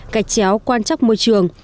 cách chéo quan trọng môi trường